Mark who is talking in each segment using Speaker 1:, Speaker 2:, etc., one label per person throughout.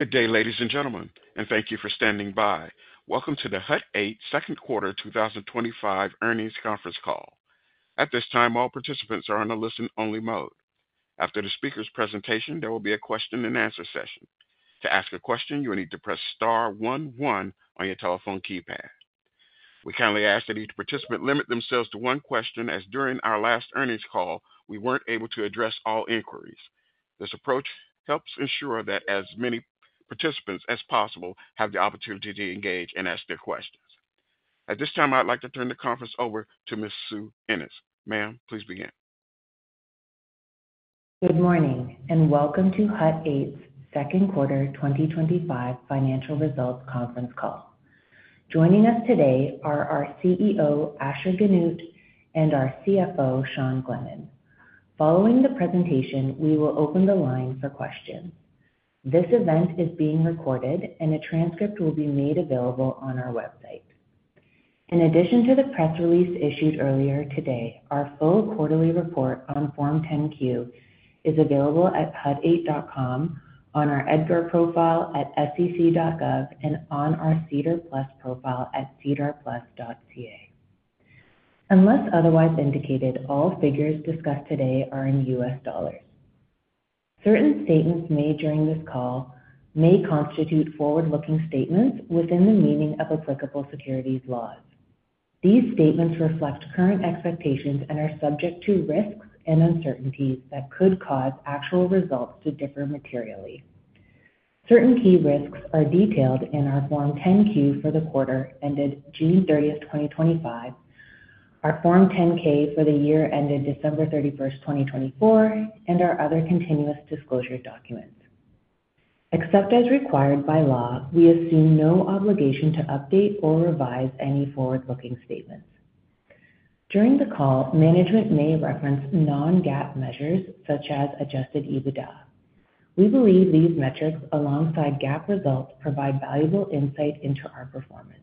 Speaker 1: Good day, ladies and gentlemen, and thank you for standing by. Welcome to the Hut 8 Second Quarter 2025 Earnings Conference Call. At this time, all participants are in a listen-only mode. After the speaker's presentation, there will be a question-and-answer session. To ask a question, you will need to press star one one on your telephone keypad. We kindly ask that each participant limit themselves to one question, as during our last earnings call, we weren't able to address all inquiries. This approach helps ensure that as many participants as possible have the opportunity to engage and ask their questions. At this time, I'd like to turn the conference over to Ms. Sue Ennis. Ma'am, please begin.
Speaker 2: Good morning, and welcome to Hut 8's Second Quarter 2025 Financial Results Conference Call. Joining us today are our CEO, Asher Genoot, and our CFO, Sean Glennan. Following the presentation, we will open the line for questions. This event is being recorded, and a transcript will be made available on our website. In addition to the press release issued earlier today, our full quarterly report on Form 10-Q is available at hut8.com, on our EDGAR profile at sec.gov, and on our SEDAR+ profile at sedarplus.ca. Unless otherwise indicated, all figures discussed today are in U.S. dollars. Certain statements made during this call may constitute forward-looking statements within the meaning of applicable securities laws. These statements reflect current expectations and are subject to risks and uncertainties that could cause actual results to differ materially. Certain key risks are detailed in our Form 10-Q for the quarter ended June 30th, 2025, our Form 10-K for the year ended December 31, 2024, and our other continuous disclosure documents. Except as required by law, we assume no obligation to update or revise any forward-looking statements. During the call, management may reference non-GAAP measures such as adjusted EBITDA. We believe these metrics, alongside GAAP results, provide valuable insight into our performance.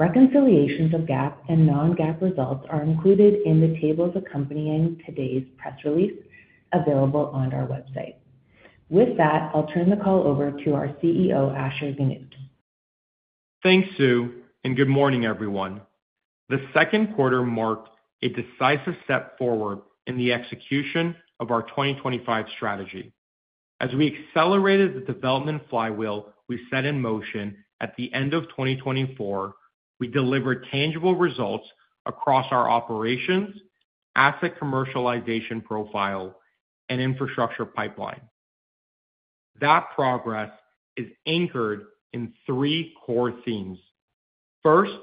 Speaker 2: Reconciliations of GAAP and non-GAAP results are included in the table accompanying today's press release, available on our website. With that, I'll turn the call over to our CEO, Asher Genoot.
Speaker 3: Thanks, Sue, and good morning, everyone. The second quarter marked a decisive step forward in the execution of our 2025 strategy. As we accelerated the development flywheel we set in motion at the end of 2024, we delivered tangible results across our operations, asset commercialization profile, and infrastructure pipeline. That progress is anchored in three core themes. First,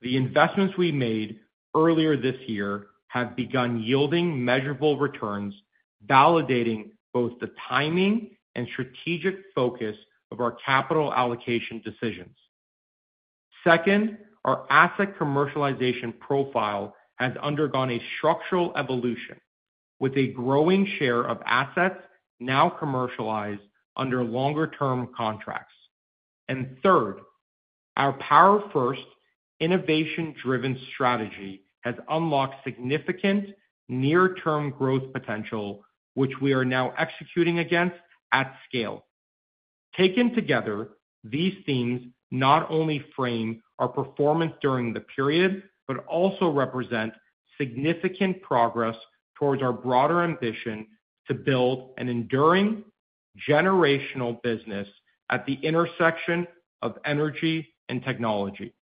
Speaker 3: the investments we made earlier this year have begun yielding measurable returns, validating both the timing and strategic focus of our capital allocation decisions. Second, our asset commercialization profile has undergone a structural evolution, with a growing share of assets now commercialized under longer-term contracts. Third, our power-first, innovation-driven strategy has unlocked significant near-term growth potential, which we are now executing against at scale. Taken together, these themes not only frame our performance during the period but also represent significant progress towards our broader ambition to build an enduring, generational business at the intersection of energy and technology.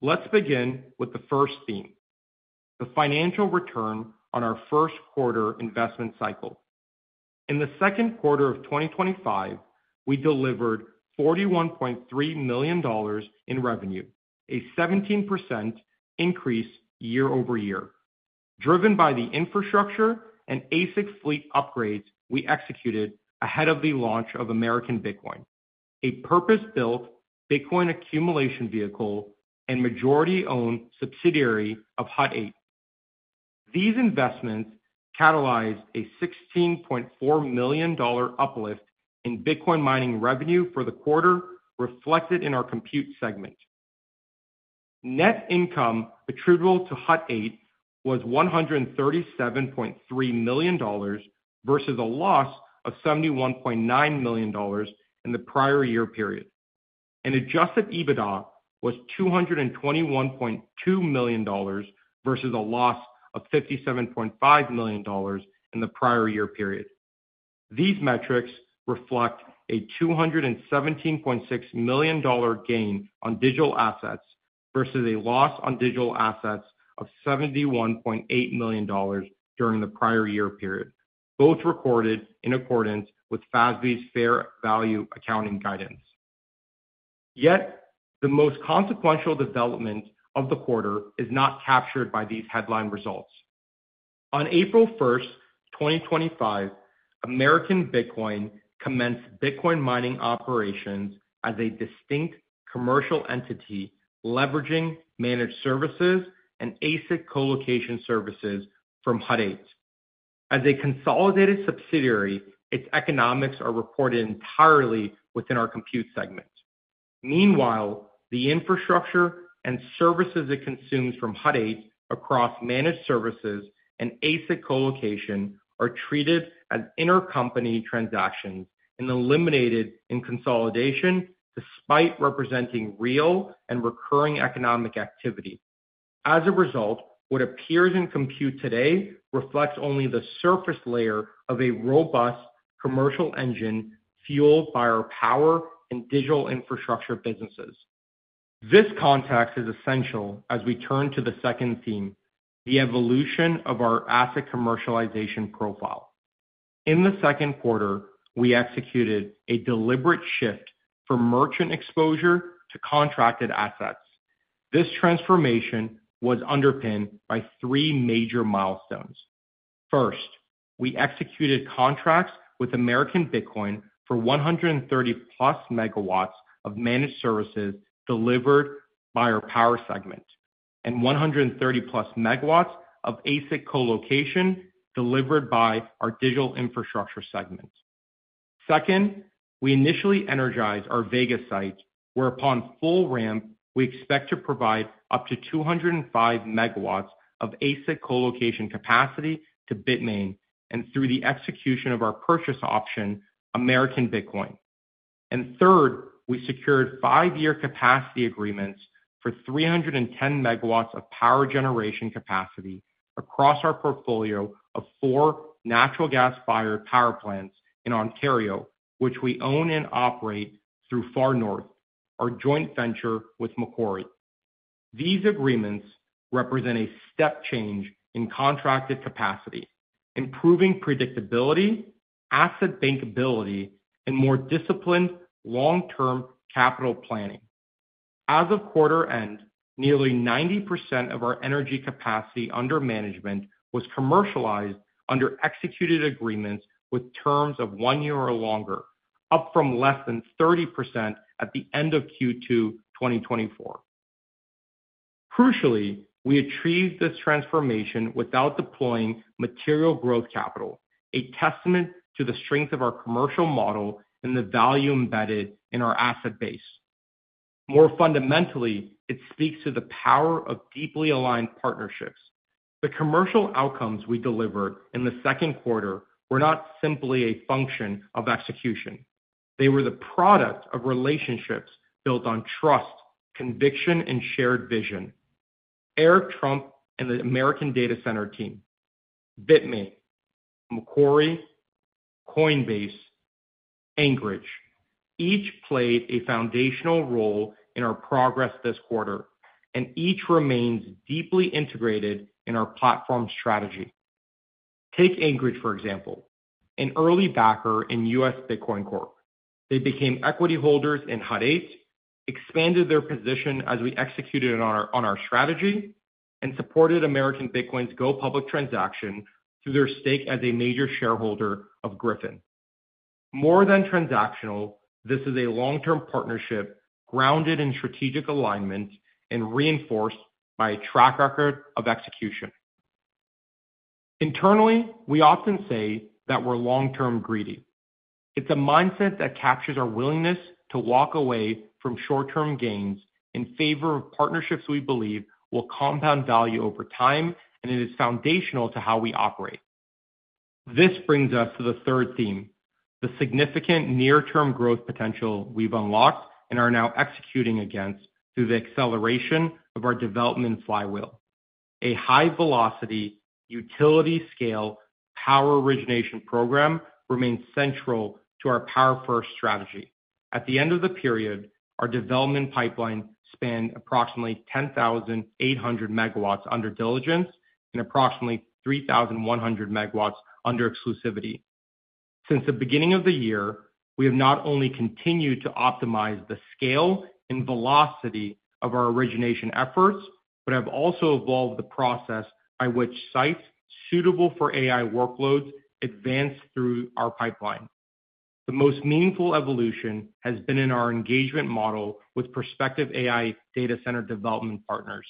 Speaker 3: Let's begin with the first theme: the financial return on our first quarter investment cycle. In the second quarter of 2025, we delivered $41.3 million in revenue, a 17% increase year-over-year, driven by the infrastructure and ASIC fleet upgrades we executed ahead of the launch of American Bitcoin, a purpose-built Bitcoin accumulation vehicle and majority-owned subsidiary of Hut 8. These investments catalyzed a $16.4 million uplift in Bitcoin mining revenue for the quarter, reflected in our compute segment. Net income attributable to Hut 8 was $137.3 million versus a loss of $71.9 million in the prior year period. Adjusted EBITDA was $221.2 million versus a loss of $57.5 million in the prior year period. These metrics reflect a $217.6 million gain on digital assets versus a loss on digital assets of $71.8 million during the prior year period, both recorded in accordance with FASB's Fair Value Accounting Guidance. Yet, the most consequential development of the quarter is not captured by these headline results. On April 1, 2025, American Bitcoin commenced Bitcoin mining operations as a distinct commercial entity, leveraging managed services and ASIC colocation services from Hut 8. As a consolidated subsidiary, its economics are reported entirely within our compute segment. Meanwhile, the infrastructure and services it consumes from Hut 8 across managed services and ASIC colocation are treated as intercompany transactions and eliminated in consolidation, despite representing real and recurring economic activity. As a result, what appears in compute today reflects only the surface layer of a robust commercial engine fueled by our power and digital infrastructure businesses. This context is essential as we turn to the second theme, the evolution of our asset commercialization profile. In the second quarter, we executed a deliberate shift from merchant exposure to contracted assets. This transformation was underpinned by three major milestones. First, we executed contracts with American Bitcoin for 130+ s of managed services delivered by our power segment and 130+ MW of ASIC colocation delivered by our digital infrastructure segment. Second, we initially energized our Vega site, where upon full ramp, we expect to provide up to 205 MW of ASIC colocation capacity to BITMAIN and, through the execution of our purchase option, American Bitcoin. Third, we secured five-year capacity agreements for 310 MW of power generation capacity across our portfolio of four natural gas-fired power plants in Ontario, which we own and operate through Far North, our joint venture with Macquarie. These agreements represent a step change in contracted capacity, improving predictability, asset bankability, and more disciplined long-term capital planning. As of quarter end, nearly 90% of our energy capacity under management was commercialized under executed agreements with terms of one year or longer, up from less than 30% at the end of Q2 2024. Crucially, we achieved this transformation without deploying material growth capital, a testament to the strength of our commercial model and the value embedded in our asset base. More fundamentally, it speaks to the power of deeply aligned partnerships. The commercial outcomes we delivered in the second quarter were not simply a function of execution. They were the product of relationships built on trust, conviction, and shared vision. Eric Trump and the American Data Center team, BITMAIN, Macquarie, Coinbase, and Anchorage each played a foundational role in our progress this quarter, and each remains deeply integrated in our platform strategy. Take Anchorage, for example, an early backer in US Bitcoin Corp. They became equity holders in Hut 8, expanded their position as we executed on our strategy, and supported American Bitcoin's go public transaction through their stake as a major shareholder of Gryphon. More than transactional, this is a long-term partnership grounded in strategic alignment and reinforced by a track record of execution. Internally, we often say that we're long-term greedy. It's a mindset that captures our willingness to walk away from short-term gains in favor of partnerships we believe will compound value over time, and it is foundational to how we operate. This brings us to the third theme, the significant near-term growth potential we've unlocked and are now executing against through the acceleration of our development flywheel. A high-velocity, utility-scale power origination program remains central to our power-first strategy. At the end of the period, our development pipeline spanned approximately 10,800 MW under diligence and approximately 3,100 MW under exclusivity. Since the beginning of the year, we have not only continued to optimize the scale and velocity of our origination efforts, but have also evolved the process by which sites suitable for AI workloads advance through our pipeline. The most meaningful evolution has been in our engagement model with prospective AI data center development partners.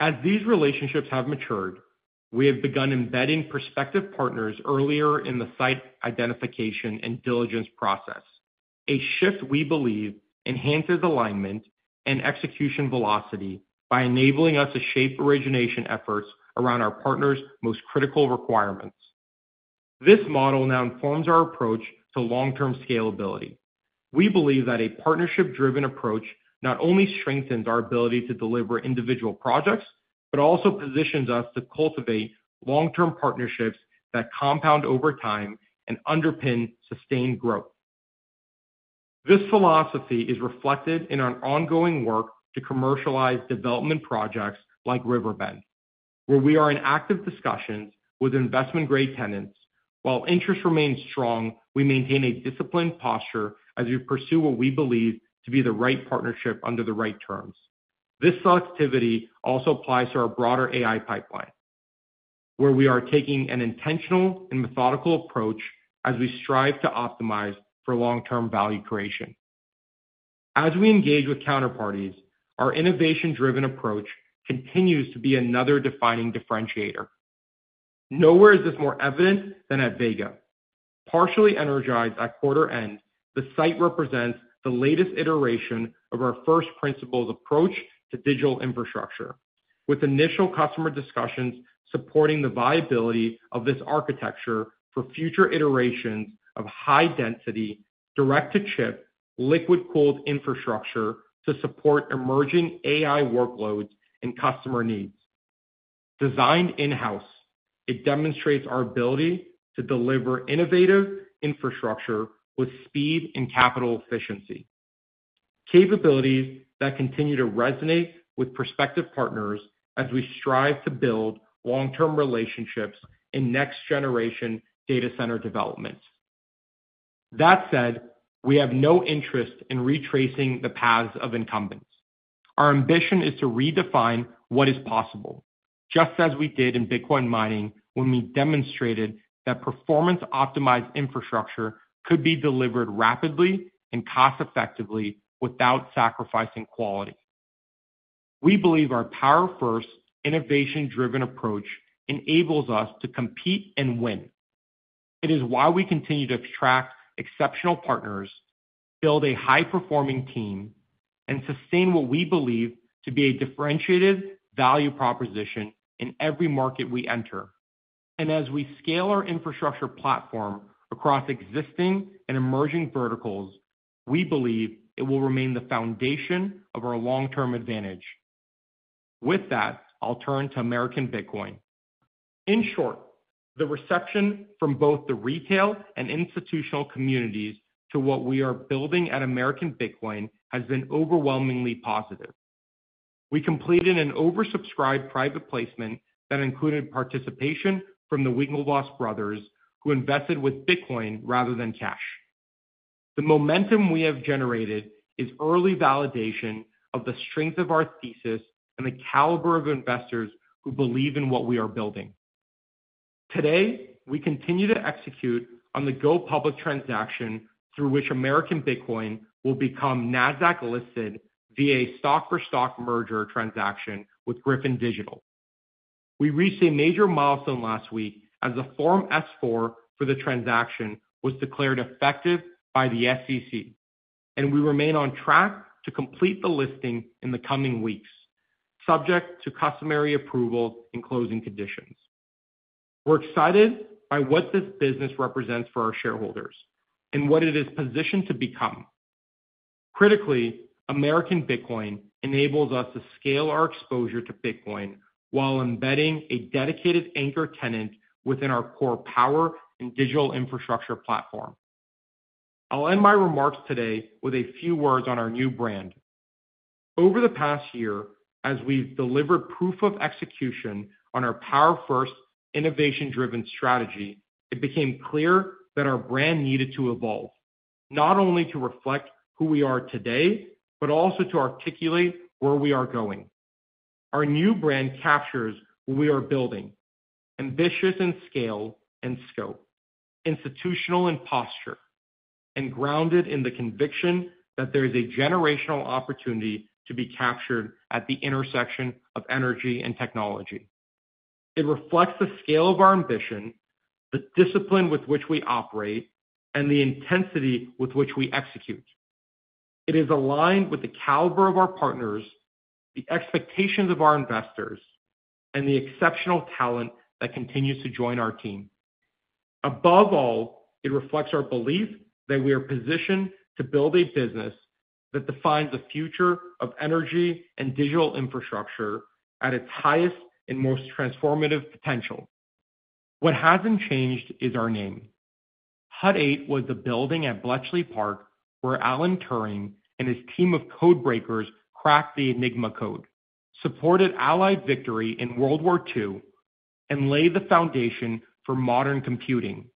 Speaker 3: As these relationships have matured, we have begun embedding prospective partners earlier in the site identification and diligence process, a shift we believe enhances alignment and execution velocity by enabling us to shape origination efforts around our partners' most critical requirements. This model now informs our approach to long-term scalability. We believe that a partnership-driven approach not only strengthens our ability to deliver individual projects, but also positions us to cultivate long-term partnerships that compound over time and underpin sustained growth. This philosophy is reflected in our ongoing work to commercialize development projects like River Bend, where we are in active discussions with investment-grade tenants. While interest remains strong, we maintain a disciplined posture as we pursue what we believe to be the right partnership under the right terms. This selectivity also applies to our broader AI pipeline, where we are taking an intentional and methodical approach as we strive to optimize for long-term value creation. As we engage with counterparties, our innovation-driven approach continues to be another defining differentiator. Nowhere is this more evident than at Vega. Partially energized at quarter end, the site represents the latest iteration of our first principles approach to digital infrastructure, with initial customer discussions supporting the viability of this architecture for future iterations of high-density, direct-to-chip, liquid-cooled infrastructure to support emerging AI workloads and customer needs. Designed in-house, it demonstrates our ability to deliver innovative infrastructure with speed and capital efficiency, capabilities that continue to resonate with prospective partners as we strive to build long-term relationships in next-generation data center development. That said, we have no interest in retracing the paths of incumbents. Our ambition is to redefine what is possible, just as we did in Bitcoin mining when we demonstrated that performance-optimized infrastructure could be delivered rapidly and cost-effectively without sacrificing quality. We believe our power-first, innovation-driven approach enables us to compete and win. It is why we continue to attract exceptional partners, build a high-performing team, and sustain what we believe to be a differentiated value proposition in every market we enter. As we scale our infrastructure platform across existing and emerging verticals, we believe it will remain the foundation of our long-term advantage. With that, I'll turn to American Bitcoin. In short, the reception from both the retail and institutional communities to what we are building at American Bitcoin has been overwhelmingly positive. We completed an oversubscribed private placement that included participation from the Winklevoss brothers, who invested with Bitcoin rather than cash. The momentum we have generated is early validation of the strength of our thesis and the caliber of investors who believe in what we are building. Today, we continue to execute on the go public transaction through which American Bitcoin will become NASDAQ-listed via a stock-for-stock merger transaction with Gryphon Digital. We reached a major milestone last week as the Form S-4 for the transaction was declared effective by the SEC, and we remain on track to complete the listing in the coming weeks, subject to customary approval and closing conditions. We're excited by what this business represents for our shareholders and what it is positioned to become. Critically, American Bitcoin enables us to scale our exposure to Bitcoin while embedding a dedicated anchor tenant within our core power and digital infrastructure platform. I'll end my remarks today with a few words on our new brand. Over the past year, as we've delivered proof of execution on our power-first, innovation-driven strategy, it became clear that our brand needed to evolve, not only to reflect who we are today, but also to articulate where we are going. Our new brand captures what we are building: ambitious in scale and scope, institutional in posture, and grounded in the conviction that there is a generational opportunity to be captured at the intersection of energy and technology. It reflects the scale of our ambition, the discipline with which we operate, and the intensity with which we execute. It is aligned with the caliber of our partners, the expectations of our investors, and the exceptional talent that continues to join our team. Above all, it reflects our belief that we are positioned to build a business that defines the future of energy and digital infrastructure at its highest and most transformative potential. What hasn't changed is our name. Hut 8 was the building at Bletchley Park where Alan Turing and his team of codebreakers cracked the Enigma code, supported Allied victory in World War II, and laid the foundation for modern computing.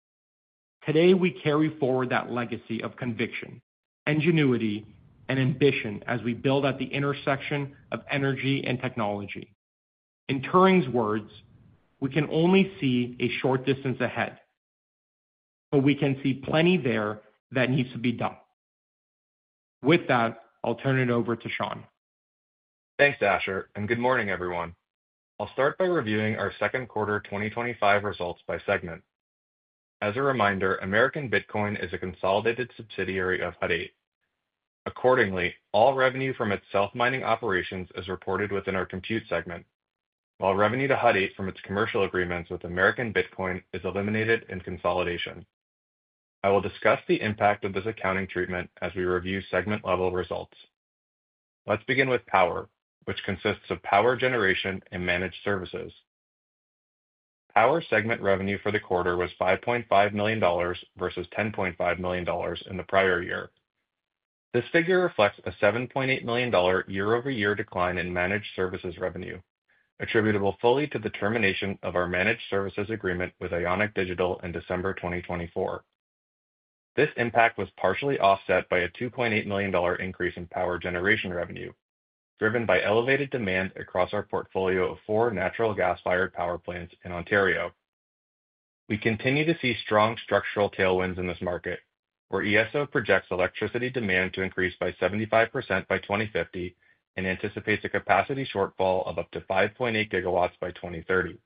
Speaker 3: Today, we carry forward that legacy of conviction, ingenuity, and ambition as we build at the intersection of energy and technology. In Turing's words, we can only see a short distance ahead, but we can see plenty there that needs to be done. With that, I'll turn it over to Sean.
Speaker 4: Thanks, Asher, and good morning, everyone. I'll start by reviewing our second quarter 2025 results by segment. As a reminder, American Bitcoin is a consolidated subsidiary of Hut 8. Accordingly, all revenue from its self-mining operations is reported within our compute segment, while revenue to Hut 8 from its commercial agreements with American Bitcoin is eliminated in consolidation. I will discuss the impact of this accounting treatment as we review segment-level results. Let's begin with power, which consists of power generation and managed services. Power segment revenue for the quarter was $5.5 million versus $10.5 million in the prior year. This figure reflects a $7.8 million year-over-year decline in managed services revenue, attributable fully to the termination of our managed services agreement with Ionic Digital in December 2024. This impact was partially offset by a $2.8 million increase in power generation revenue, driven by elevated demand across our portfolio of four natural gas-fired power plants in Ontario. We continue to see strong structural tailwinds in this market, where ESO projects electricity demand to increase by 75% by 2050 and anticipates a capacity shortfall of up to 5.8 GW by 2030.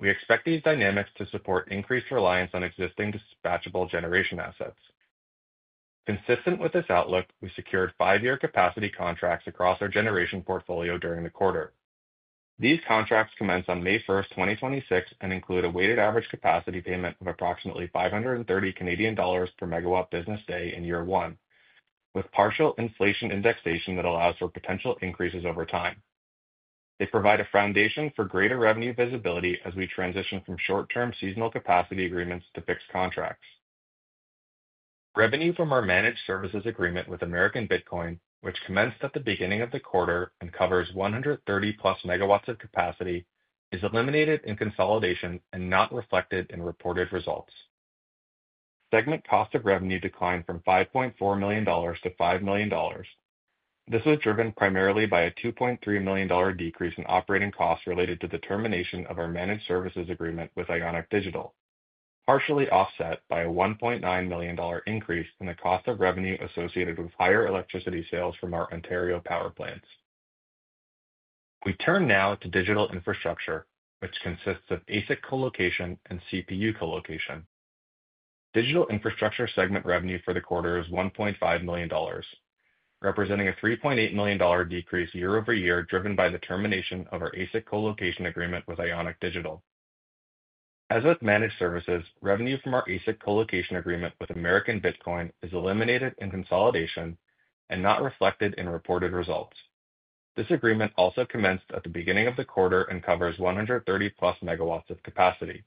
Speaker 4: We expect these dynamics to support increased reliance on existing dispatchable generation assets. Consistent with this outlook, we secured five-year capacity contracts across our generation portfolio during the quarter. These contracts commence on May 1, 2026, and include a weighted average capacity payment of approximately 530 Canadian dollars per megawatt business day in year one, with partial inflation indexation that allows for potential increases over time. They provide a foundation for greater revenue visibility as we transition from short-term seasonal capacity agreements to fixed contracts. Revenue from our managed services agreement with American Bitcoin, which commenced at the beginning of the quarter and covers 130+ MW of capacity, is eliminated in consolidation and not reflected in reported results. Segment cost of revenue declined from $5.4 million to $5 million. This was driven primarily by a $2.3 million decrease in operating costs related to the termination of our managed services agreement with Ionic Digital, partially offset by a $1.9 million increase in the cost of revenue associated with higher electricity sales from our Ontario power plants. We turn now to digital infrastructure, which consists of ASIC colocation and CPU colocation. Digital infrastructure segment revenue for the quarter is $1.5 million, representing a $3.8 million decrease year-over-year, driven by the termination of our ASIC colocation agreement with Ionic Digital. As with managed services, revenue from our ASIC colocation agreement with American Bitcoin is eliminated in consolidation and not reflected in reported results. This agreement also commenced at the beginning of the quarter and covers 130+ MW of capacity.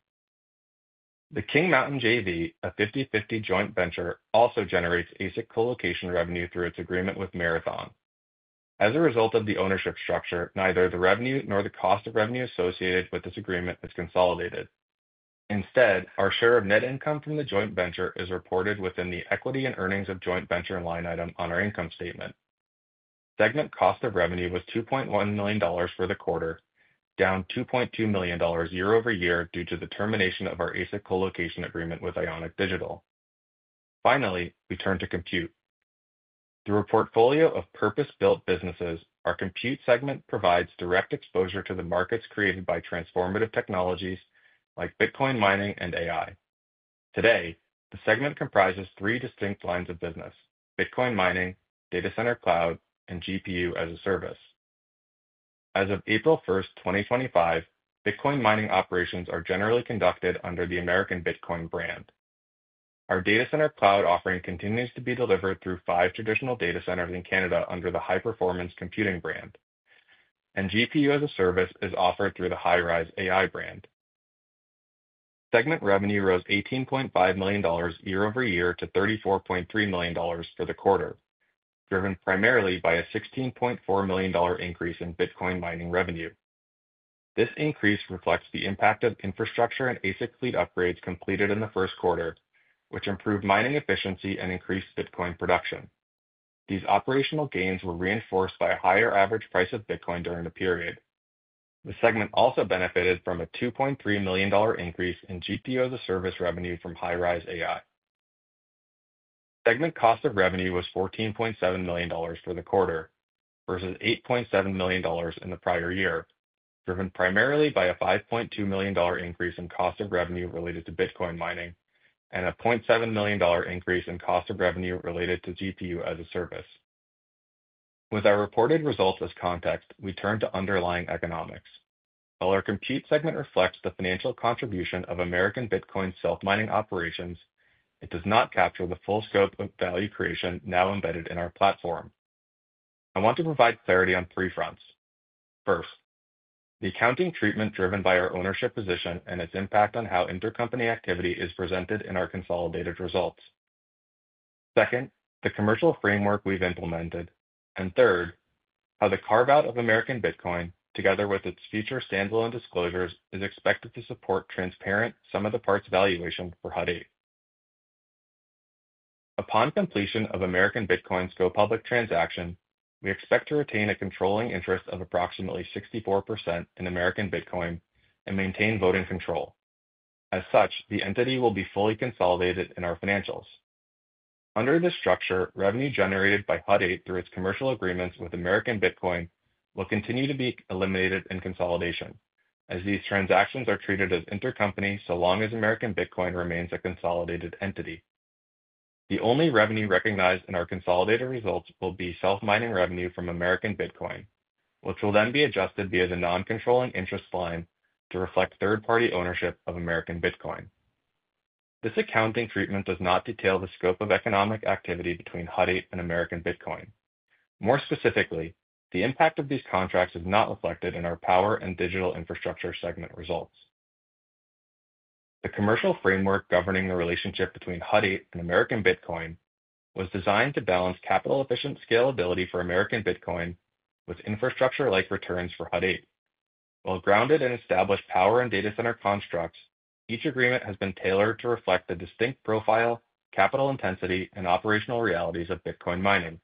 Speaker 4: The King Mountain JV, a 50/50 joint venture, also generates ASIC colocation revenue through its agreement with Marathon. As a result of the ownership structure, neither the revenue nor the cost of revenue associated with this agreement is consolidated. Instead, our share of net income from the joint venture is reported within the equity and earnings of joint venture line item on our income statement. Segment cost of revenue was $2.1 million for the quarter, down $2.2 million year-over-year due to the termination of our ASIC colocation agreement with Ionic Digital. Finally, we turn to compute. Through a portfolio of purpose-built businesses, our compute segment provides direct exposure to the markets created by transformative technologies like Bitcoin mining and AI. Today, the segment comprises three distinct lines of business: Bitcoin mining, data center cloud, and GPU-as-a-Service. As of April 1, 2025, Bitcoin mining operations are generally conducted under the American Bitcoin brand. Our data center cloud offering continues to be delivered through five traditional data centers in Canada under the High Performance Computing brand, and GPU-as-a-Service is offered through the High Rise AI brand. Segment revenue rose $18.5 million year-over-year to $34.3 million for the quarter, driven primarily by a $16.4 million increase in Bitcoin mining revenue. This increase reflects the impact of infrastructure and ASIC fleet upgrades completed in the first quarter, which improved mining efficiency and increased Bitcoin production. These operational gains were reinforced by a higher average price of Bitcoin during the period. The segment also benefited from a $2.3 million increase in GPU-as-a-Service revenue from High Rise AI. Segment cost of revenue was $14.7 million for the quarter versus $8.7 million in the prior year, driven primarily by a $5.2 million increase in cost of revenue related to Bitcoin mining and a $0.7 million increase in cost of revenue related to GPU-as-a-Service. With our reported results as context, we turn to underlying economics. While our compute segment reflects the financial contribution of American Bitcoin's self-mining operations, it does not capture the full scope of value creation now embedded in our platform. I want to provide clarity on three fronts. First, the accounting treatment driven by our ownership position and its impact on how intercompany activity is presented in our consolidated results. Second, the commercial framework we've implemented, and third, how the carve-out of American Bitcoin, together with its future standalone disclosures, is expected to support transparent sum-of-the-parts valuation for Hut 8. Upon completion of American Bitcoin's go-public transaction, we expect to retain a controlling interest of approximately 64% in American Bitcoin and maintain voting control. As such, the entity will be fully consolidated in our financials. Under this structure, revenue generated by Hut 8 through its commercial agreements with American Bitcoin will continue to be eliminated in consolidation, as these transactions are treated as intercompany so long as American Bitcoin remains a consolidated entity. The only revenue recognized in our consolidated results will be self-mining revenue from American Bitcoin, which will then be adjusted via the non-controlling interest line to reflect third-party ownership of American Bitcoin. This accounting treatment does not detail the scope of economic activity between Hut 8 and American Bitcoin. More specifically, the impact of these contracts is not reflected in our power and digital infrastructure segment results. The commercial framework governing the relationship between Hut 8 and American Bitcoin was designed to balance capital-efficient scalability for American Bitcoin with infrastructure-like returns for Hut 8. While grounded in established power and data center constructs, each agreement has been tailored to reflect the distinct profile, capital intensity, and operational realities of Bitcoin mining.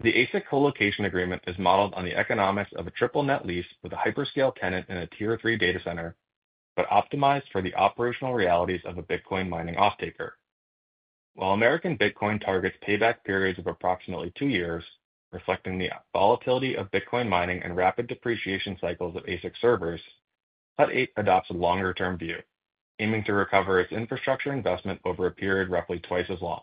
Speaker 4: The ASIC colocation agreement is modeled on the economics of a triple net lease with a hyperscale tenant and a tier-three data center, but optimized for the operational realities of a Bitcoin mining off-taker. While American Bitcoin targets payback periods of approximately two years, reflecting the volatility of Bitcoin mining and rapid depreciation cycles of ASIC servers, Hut 8 adopts a longer-term view, aiming to recover its infrastructure investment over a period roughly twice as long.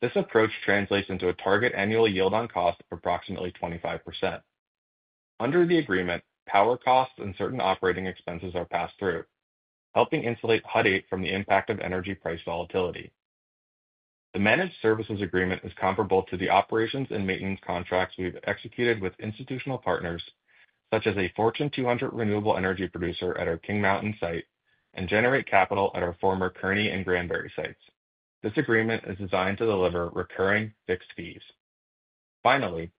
Speaker 4: This approach translates into a target annual yield on cost of approximately 25%. Under the agreement, power costs and certain operating expenses are passed through, helping insulate Hut 8 from the impact of energy price volatility. The managed services agreement is comparable to the operations and maintenance contracts we've executed with institutional partners, such as a Fortune 200 renewable energy producer at our King Mountain site and Generate Capital at our former Kearney and Granbury sites. This agreement is designed to deliver recurring fixed fees. Finally,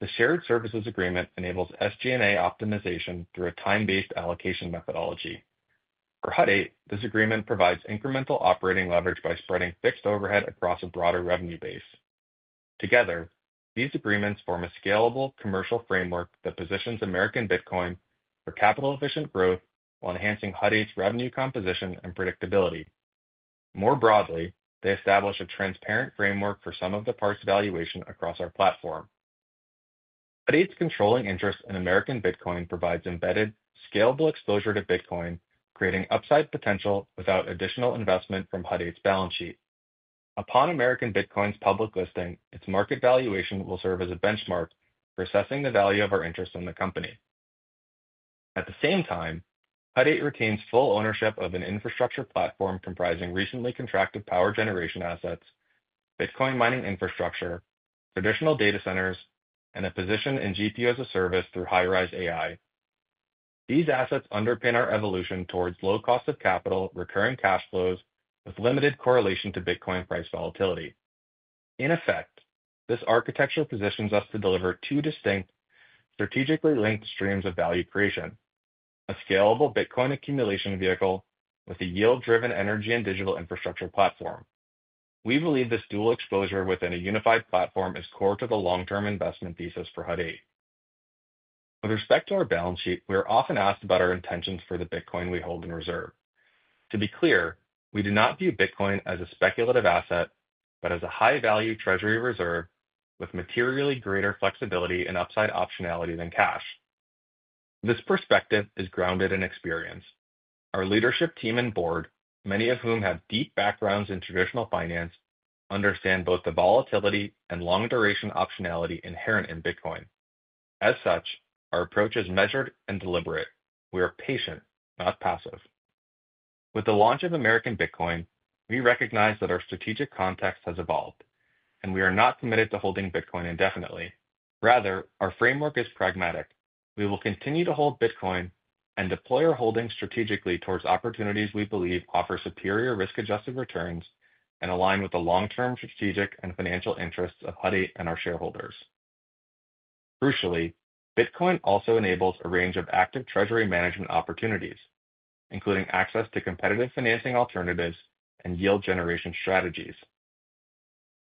Speaker 4: the shared services agreement enables SG&A optimization through a time-based allocation methodology. For Hut 8, this agreement provides incremental operating leverage by spreading fixed overhead across a broader revenue base. Together, these agreements form a scalable commercial framework that positions American Bitcoin for capital-efficient growth while enhancing Hut 8's revenue composition and predictability. More broadly, they establish a transparent framework for some of the parts valuation across our platform. Hut 8's controlling interest in American Bitcoin provides embedded, scalable exposure to Bitcoin, creating upside potential without additional investment from Hut 8's balance sheet. Upon American Bitcoin's public listing, its market valuation will serve as a benchmark for assessing the value of our interest in the company. At the same time, Hut 8 retains full ownership of an infrastructure platform comprising recently contracted power generation assets, Bitcoin mining infrastructure, traditional data centers, and a position in GPU-as-a-Service through High Rise AI. These assets underpin our evolution towards low cost of capital, recurring cash flows, with limited correlation to Bitcoin price volatility. In effect, this architecture positions us to deliver two distinct, strategically linked streams of value creation: a scalable Bitcoin accumulation vehicle with a yield-driven energy and digital infrastructure platform. We believe this dual exposure within a unified platform is core to the long-term investment thesis for Hut 8. With respect to our balance sheet, we are often asked about our intentions for the Bitcoin we hold in reserve. To be clear, we do not view Bitcoin as a speculative asset, but as a high-value treasury reserve with materially greater flexibility and upside optionality than cash. This perspective is grounded in experience. Our leadership team and board, many of whom have deep backgrounds in traditional finance, understand both the volatility and long-duration optionality inherent in Bitcoin. As such, our approach is measured and deliberate. We are patient, not passive. With the launch of American Bitcoin, we recognize that our strategic context has evolved, and we are not committed to holding Bitcoin indefinitely. Rather, our framework is pragmatic. We will continue to hold Bitcoin and deploy our holdings strategically towards opportunities we believe offer superior risk-adjusted returns and align with the long-term strategic and financial interests of Hut 8 and our shareholders. Crucially, Bitcoin also enables a range of active treasury management opportunities, including access to competitive financing alternatives and yield generation strategies.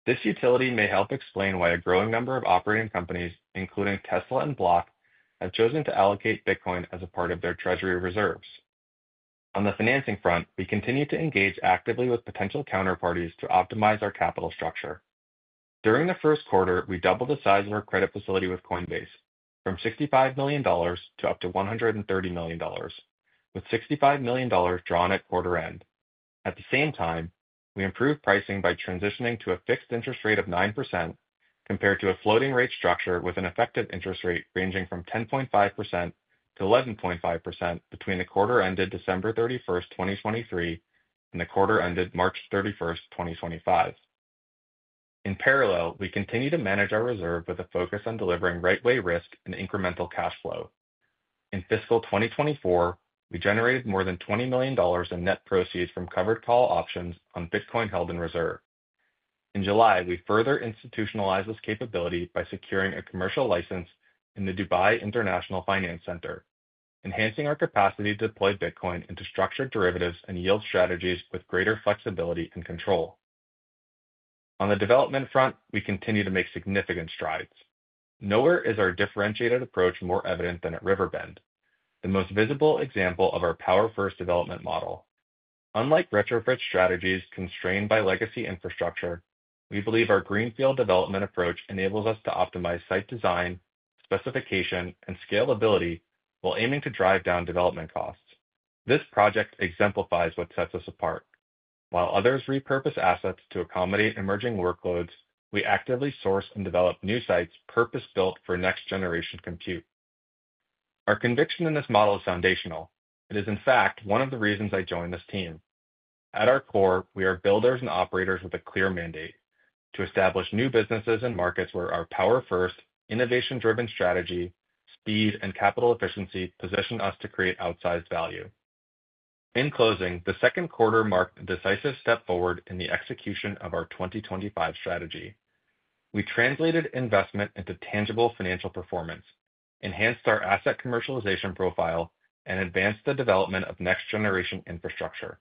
Speaker 4: This utility may help explain why a growing number of operating companies, including Tesla and Block, have chosen to allocate Bitcoin as a part of their treasury reserves. On the financing front, we continue to engage actively with potential counterparties to optimize our capital structure. During the first quarter, we doubled the size of our credit facility with Coinbase from $65 million to up to $130 million, with $65 million drawn at quarter end. At the same time, we improved pricing by transitioning to a fixed interest rate of 9% compared to a floating rate structure with an effective interest rate ranging from 10.5% to 11.5% between the quarter ended December 31, 2023, and the quarter ended March 31, 2025. In parallel, we continue to manage our reserve with a focus on delivering right-way risk and incremental cash flow. In fiscal 2024, we generated more than $20 million in net proceeds from covered call options on Bitcoin held in reserve. In July, we further institutionalized this capability by securing a commercial license in the Dubai International Finance Center, enhancing our capacity to deploy Bitcoin into structured derivatives and yield strategies with greater flexibility and control. On the development front, we continue to make significant strides. Nowhere is our differentiated approach more evident than at River Bend, the most visible example of our power-first development model. Unlike retrofit strategies constrained by legacy infrastructure, we believe our greenfield development approach enables us to optimize site design, specification, and scalability while aiming to drive down development costs. This project exemplifies what sets us apart. While others repurpose assets to accommodate emerging workloads, we actively source and develop new sites purpose-built for next-generation compute. Our conviction in this model is foundational. It is, in fact, one of the reasons I joined this team. At our core, we are builders and operators with a clear mandate to establish new businesses and markets where our power-first, innovation-driven strategy, speed, and capital efficiency position us to create outsized value. In closing, the second quarter marked a decisive step forward in the execution of our 2025 strategy. We translated investment into tangible financial performance, enhanced our asset commercialization profile, and advanced the development of next-generation infrastructure.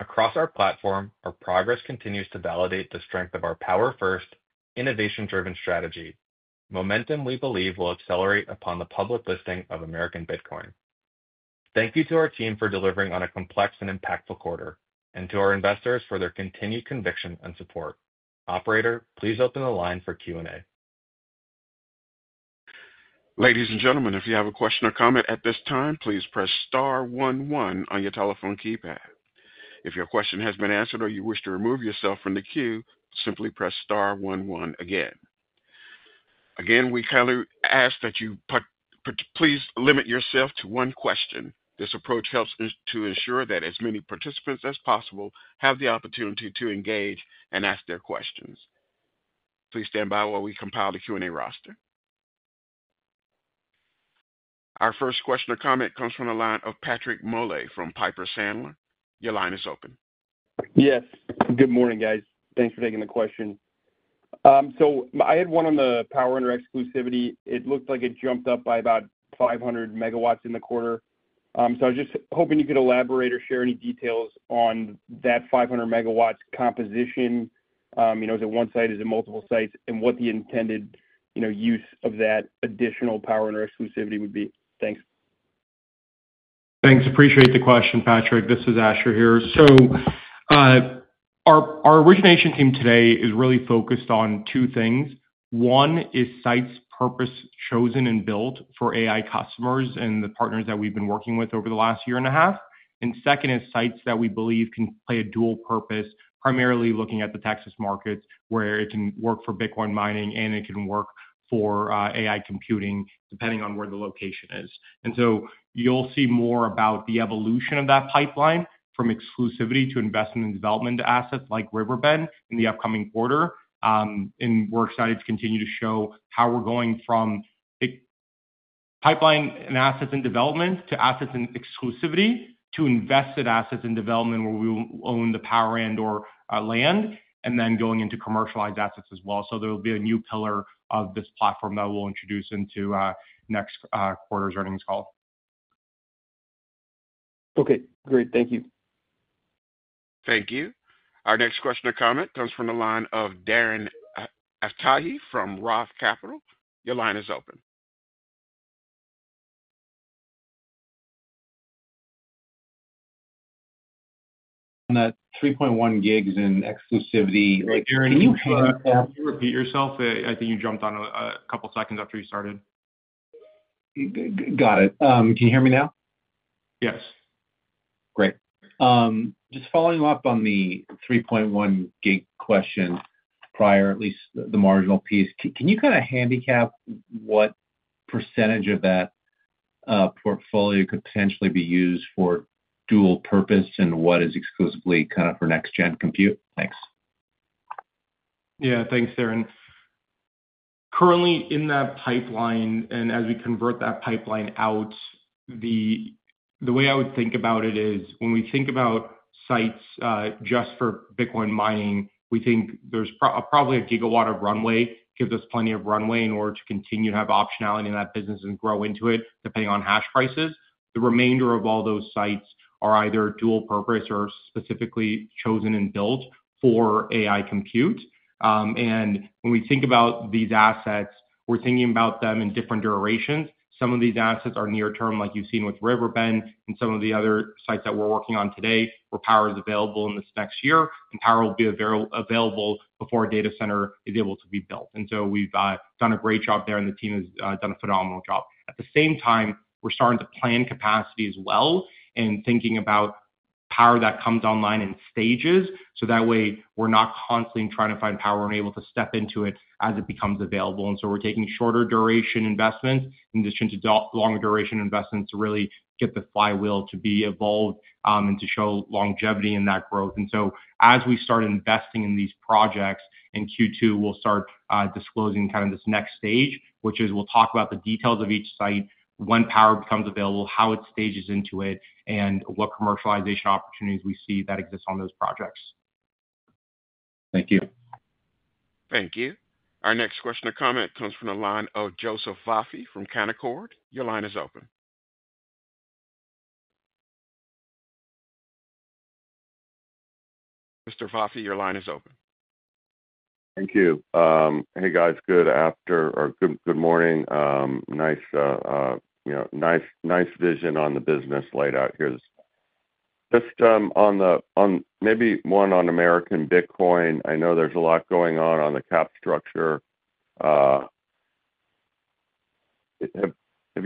Speaker 4: Across our platform, our progress continues to validate the strength of our power-first, innovation-driven strategy, momentum we believe will accelerate upon the public listing of American Bitcoin. Thank you to our team for delivering on a complex and impactful quarter, and to our investors for their continued conviction and support. Operator, please open the line for Q&A.
Speaker 1: Ladies and gentlemen, if you have a question or comment at this time, please press star one one on your telephone keypad. If your question has been answered or you wish to remove yourself from the queue, simply press star one one again. Again, we kindly ask that you please limit yourself to one question. This approach helps to ensure that as many participants as possible have the opportunity to engage and ask their questions. Please stand by while we compile the Q&A roster. Our first question or comment comes from the line of Patrick Moley from Piper Sandler. Your line is open.
Speaker 5: Yes. Good morning, guys. Thanks for taking the question. I had one on the power under exclusivity. It looked like it jumped up by about 500 MW in the quarter. I was just hoping you could elaborate or share any details on that 500 MW composition. Is it one site? Is it multiple sites? What the intended use of that additional power under exclusivity would be. Thanks.
Speaker 3: Thanks. Appreciate the question, Patrick. This is Asher here. Our origination team today is really focused on two things. One is sites purpose chosen and built for AI customers and the partners that we've been working with over the last year and a half. Second is sites that we believe can play a dual purpose, primarily looking at the Texas markets where it can work for Bitcoin mining and it can work for AI computing, depending on where the location is. You'll see more about the evolution of that pipeline from exclusivity to investment and development assets like River Bend in the upcoming quarter. We're excited to continue to show how we're going from pipeline and assets and development to assets and exclusivity to invested assets and development where we will own the power and/or land, then going into commercialized assets as well. There will be a new pillar of this platform that we'll introduce into next quarter's earnings call.
Speaker 5: Okay, great. Thank you.
Speaker 1: Thank you. Our next question or comment comes from the line of Darren Aftahi from ROTH Capital. Your line is open.
Speaker 6: That 3.1 giggs in exclusivity.
Speaker 3: Darren, can you repeat yourself? I think you jumped on a couple of seconds after you started.
Speaker 6: Got it. Can you hear me now?
Speaker 3: Yes.
Speaker 6: Great. Just following up on the 3.1 gig question prior, at least the marginal piece, can you kind of handicap what % of that portfolio could potentially be used for dual purpose and what is exclusively kind of for next-gen compute? Thanks.
Speaker 3: Yeah, thanks Darren. Currently in that pipeline, and as we convert that pipeline out, the way I would think about it is when we think about sites just for Bitcoin mining, we think there's probably a gigawatt of runway. It gives us plenty of runway in order to continue to have optionality in that business and grow into it depending on hash prices. The remainder of all those sites are either dual-purpose or specifically chosen and built for AI compute. When we think about these assets, we're thinking about them in different durations. Some of these assets are near term, like you've seen with River Bend and some of the other sites that we're working on today where power is available in this next year, and power will be available before a data center is able to be built. We've done a great job there, and the team has done a phenomenal job. At the same time, we're starting to plan capacity as well and thinking about power that comes online in stages. That way we're not constantly trying to find power and able to step into it as it becomes available. We're taking shorter-duration investments in addition to longer-duration investments to really get the flywheel to be evolved and to show longevity in that growth. As we start investing in these projects in Q2, we'll start disclosing kind of this next stage, which is we'll talk about the details of each site, when power becomes available, how it stages into it, and what commercialization opportunities we see that exist on those projects.
Speaker 6: Thank you.
Speaker 1: Thank you. Our next question or comment comes from the line of Joseph Vafi from Canaccord. Your line is open. Mr. Vafi, your line is open.
Speaker 7: Thank you. Hey guys, good afternoon or good morning. Nice, you know, nice vision on the business laid out here. Just on maybe one on American Bitcoin, I know there's a lot going on on the cap structure. Have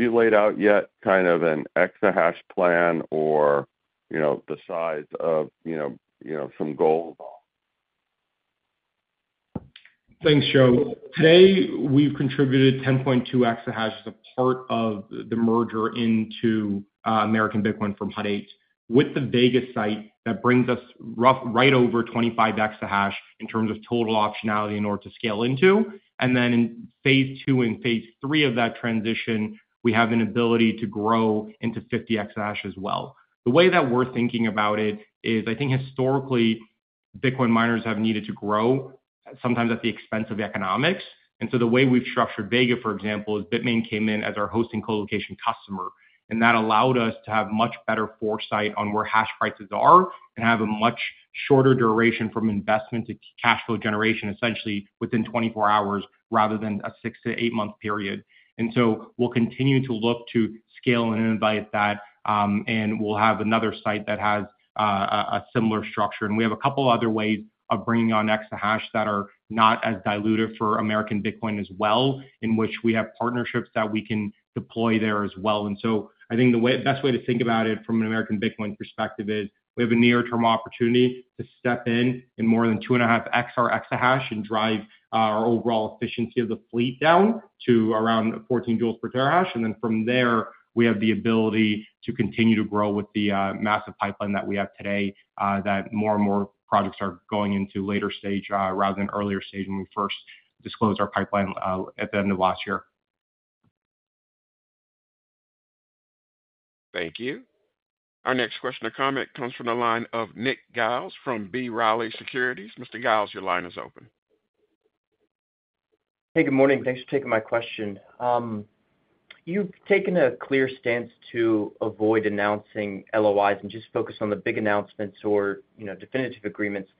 Speaker 7: you laid out yet kind of an exahash plan or, you know, the size of, you know, some goal?
Speaker 3: Thanks, Joe. Today we've contributed 10.2 exahash as a part of the merger into American Bitcoin from Hut 8 with the Vega site. That brings us right over 25 exahash in terms of total optionality in order to scale into. In phase two and phase three of that transition, we have an ability to grow into 50 exahash as well. The way that we're thinking about it is I think historically Bitcoin miners have needed to grow sometimes at the expense of economics. The way we've structured Vega, for example, is BITMAIN came in as our hosting colocation customer. That allowed us to have much better foresight on where hash prices are and have a much shorter duration from investment to cash flow generation, essentially within 24 hours rather than a six to eight month period. We'll continue to look to scale and innovate that. We'll have another site that has a similar structure. We have a couple of other ways of bringing on exahash that are not as diluted for American Bitcoin as well, in which we have partnerships that we can deploy there as well. I think the best way to think about it from an American Bitcoin perspective is we have a near-term opportunity to step in in more than 2.5 exahash and drive our overall efficiency of the fleet down to around 14 joules per terahash. From there, we have the ability to continue to grow with the massive pipeline that we have today that more and more projects are going into later stage rather than earlier stage when we first disclosed our pipeline at the end of last year.
Speaker 1: Thank you. Our next question or comment comes from the line of Nick Giles from B. Riley Securities. Mr. Giles, your line is open.
Speaker 8: Hey, good morning. Thanks for taking my question. You've taken a clear stance to avoid announcing LOIs and just focus on the big announcements or, you know, definitive agreements.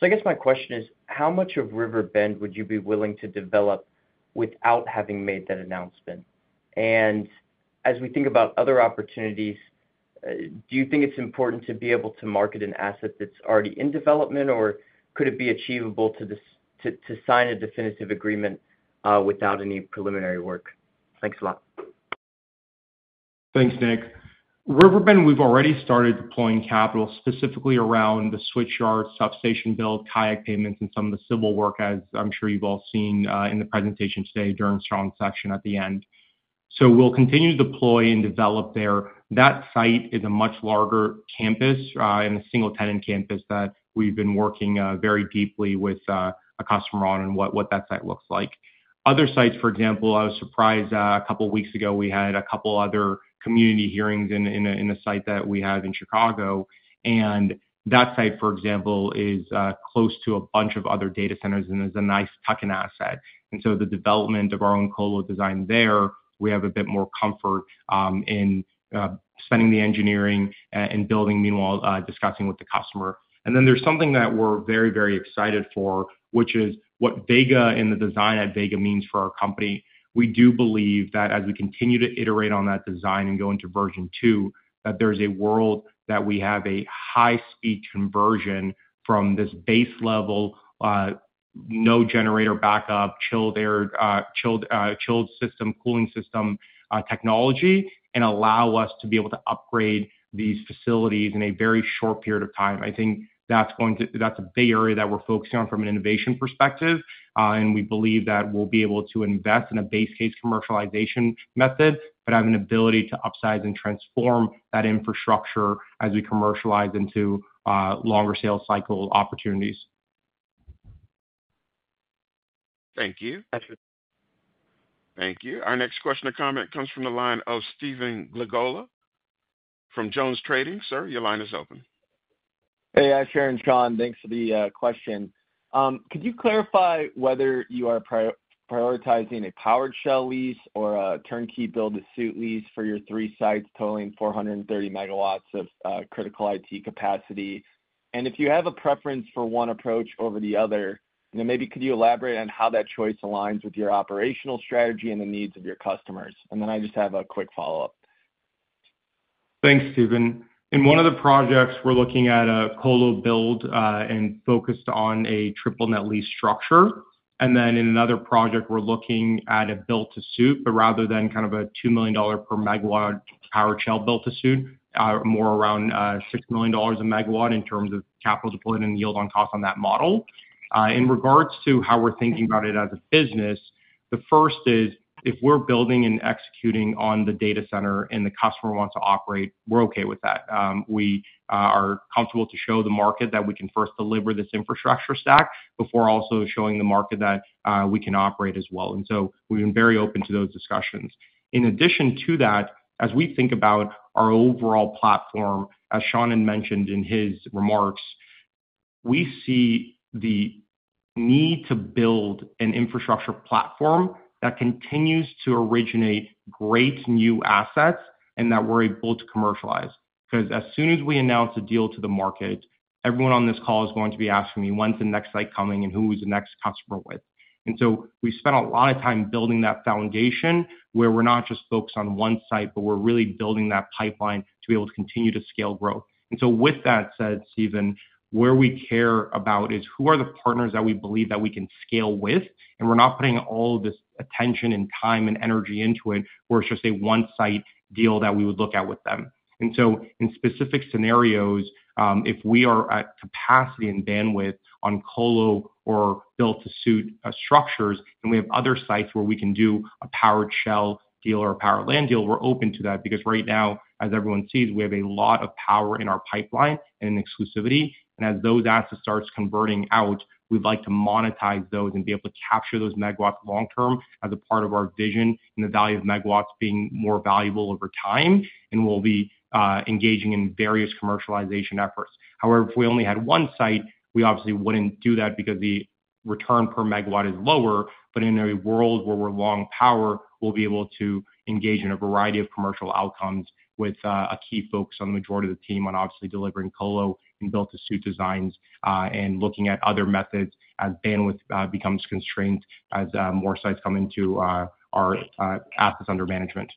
Speaker 8: I guess my question is, how much of River Bend would you be willing to develop without having made that announcement? As we think about other opportunities, do you think it's important to be able to market an asset that's already in development, or could it be achievable to sign a definitive agreement without any preliminary work? Thanks a lot.
Speaker 3: Thanks, Nick. River Bend, we've already started deploying capital specifically around the switch yards, substation build, kayak payments, and some of the civil work, as I'm sure you've all seen in the presentation today during a strong section at the end. We'll continue to deploy and develop there. That site is a much larger campus and a single-tenant campus that we've been working very deeply with a customer on and what that site looks like. Other sites, for example, I was surprised a couple of weeks ago we had a couple of other community hearings in a site that we have in Chicago. That site, for example, is close to a bunch of other data centers and is a nice tuck-in asset. The development of our own colo design there, we have a bit more comfort in spending the engineering and building, meanwhile discussing with the customer. There is something that we're very, very excited for, which is what Vega and the design at Vega means for our company. We do believe that as we continue to iterate on that design and go into version two, there's a world that we have a high-speed conversion from this base level, no generator backup, chilled air, chilled system, cooling system technology, and allow us to be able to upgrade these facilities in a very short period of time. I think that's a big area that we're focusing on from an innovation perspective. We believe that we'll be able to invest in a base case commercialization method, but have an ability to upsize and transform that infrastructure as we commercialize into longer sales cycle opportunities.
Speaker 8: Thank you.
Speaker 1: Thank you. Our next question or comment comes from the line of Stephen Glagola from JonesTrading. Sir, your line is open.
Speaker 9: Hey, I'm Sharon Chan. Thanks for the question. Could you clarify whether you are prioritizing a powered shell lease or a turnkey build a suite lease for your three sites totaling 430 MW of critical IT capacity? If you have a preference for one approach over the other, maybe could you elaborate on how that choice aligns with your operational strategy and the needs of your customers? I just have a quick follow-up.
Speaker 3: Thanks, Stephen. In one of the projects, we're looking at a colo build and focused on a triple net lease structure. In another project, we're looking at a build-to-suit, but rather than kind of a $2 million per megawatt power shell build-to-suit, more around $6 million a megawatt in terms of capital deployment and yield on cost on that model. In regards to how we're thinking about it as a business, the first is if we're building and executing on the data center and the customer wants to operate, we're okay with that. We are comfortable to show the market that we can first deliver this infrastructure stack before also showing the market that we can operate as well. We have been very open to those discussions. In addition to that, as we think about our overall platform, as Sean had mentioned in his remarks, we see the need to build an infrastructure platform that continues to originate great new assets and that we're able to commercialize. As soon as we announce a deal to the market, everyone on this call is going to be asking me when's the next site coming and who is the next customer with. We spent a lot of time building that foundation where we're not just focused on one site, but we're really building that pipeline to be able to continue to scale growth. With that said, Stephen, where we care about is who are the partners that we believe that we can scale with, and we're not putting all of this attention and time and energy into it where it's just a one-site deal that we would look at with them. In specific scenarios, if we are at capacity and bandwidth on colo or build-to-suit structures and we have other sites where we can do a powered shell deal or a powered land deal, we're open to that because right now, as everyone sees, we have a lot of power in our pipeline and in exclusivity. As those assets start converting out, we'd like to monetize those and be able to capture those megawatts long-term as a part of our vision and the value of megawatts being more valuable over time. We'll be engaging in various commercialization efforts. However, if we only had one site, we obviously wouldn't do that because the return per megawatt is lower. In a world where we're long power, we'll be able to engage in a variety of commercial outcomes with a key focus on the majority of the team on obviously delivering colo and build-to-suit designs and looking at other methods as bandwidth becomes constrained as more sites come into our assets under management.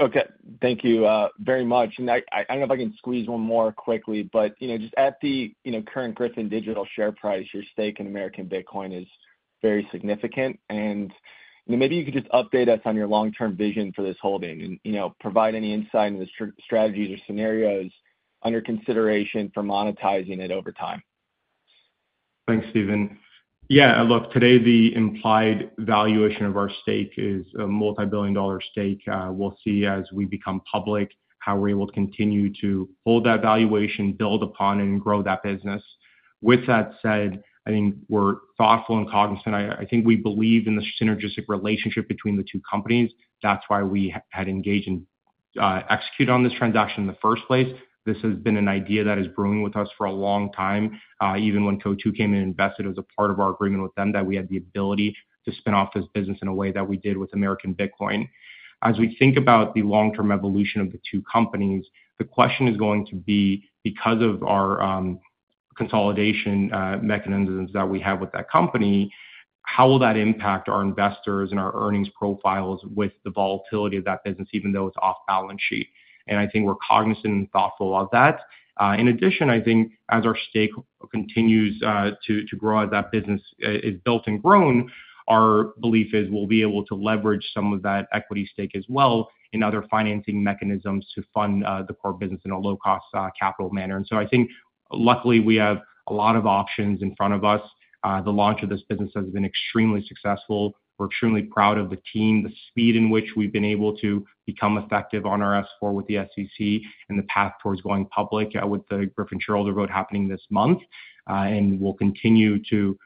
Speaker 9: Okay, thank you very much. I don't know if I can squeeze one more quickly, but you know, just at the current Gryphon Digital share price, your stake in American Bitcoin is very significant. Maybe you could just update us on your long-term vision for this holding and provide any insight into the strategies or scenarios under consideration for monetizing it over time.
Speaker 3: Thanks, Stephen. Yeah, look, today the implied valuation of our stake is a multi-billion dollar stake. We'll see as we become public how we're able to continue to hold that valuation, build upon, and grow that business. With that said, I think we're thoughtful and cognizant. I think we believe in the synergistic relationship between the two companies. That's why we had engaged and executed on this transaction in the first place. This has been an idea that has grown with us for a long time, even when Coatue came and invested as a part of our agreement with them, that we had the ability to spin off this business in a way that we did with American Bitcoin. As we think about the long-term evolution of the two companies, the question is going to be, because of our consolidation mechanisms that we have with that company, how will that impact our investors and our earnings profiles with the volatility of that business, even though it's off balance sheet? I think we're cognizant and thoughtful about that. In addition, I think as our stake continues to grow as that business is built and grown, our belief is we'll be able to leverage some of that equity stake as well in other financing mechanisms to fund the core business in a low-cost capital manner. I think luckily we have a lot of options in front of us. The launch of this business has been extremely successful. We're extremely proud of the team, the speed in which we've been able to become effective on our S-4 with the SEC and the path towards going public with the Gryphon shareholder vote happening this month. We'll continue to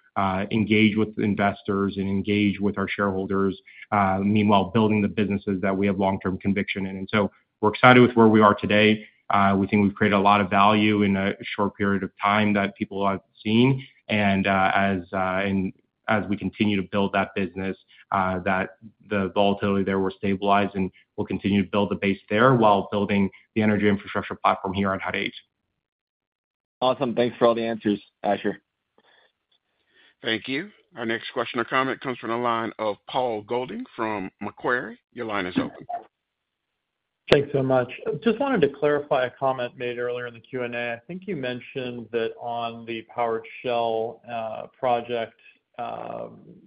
Speaker 3: engage with investors and engage with our shareholders, meanwhile building the businesses that we have long-term conviction in. We're excited with where we are today. We think we've created a lot of value in a short period of time that people have seen. As we continue to build that business, the volatility there will stabilize and we'll continue to build the base there while building the energy infrastructure platform here at Hut 8.
Speaker 9: Awesome. Thanks for all the answers, Asher.
Speaker 1: Thank you. Our next question or comment comes from the line of Paul Golding from Macquarie. Your line is open.
Speaker 10: Thanks so much. I just wanted to clarify a comment made earlier in the Q&A. I think you mentioned that on the powered shell project,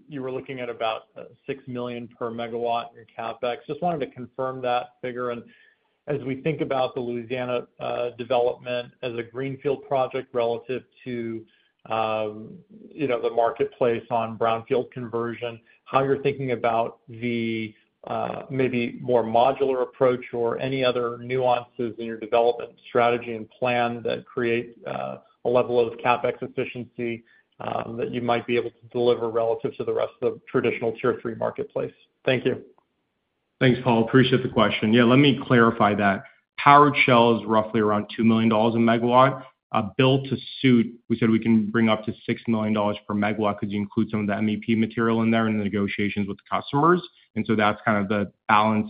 Speaker 10: you were looking at about $6 million per megawatt in your CapEx. Just wanted to confirm that figure. As we think about the Louisiana development as a greenfield project relative to the marketplace on brownfield conversion, how you're thinking about the maybe more modular approach or any other nuances in your development strategy and plan that create a level of CapEx efficiency that you might be able to deliver relative to the rest of the traditional tier three marketplace. Thank you.
Speaker 3: Thanks, Paul. Appreciate the question. Yeah, let me clarify that. Powered shell is roughly around $2 million a megawatt. A build-to-suit, we said we can bring up to $6 million per megawatt because you include some of the MEP material in there in the negotiations with the customers. That's kind of the balance